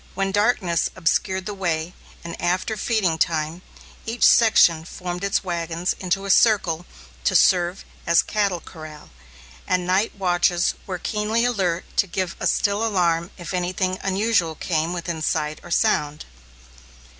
When darkness obscured the way, and after feeding time, each section formed its wagons into a circle to serve as cattle corral, and night watches were keenly alert to give a still alarm if anything unusual came within sight or sound.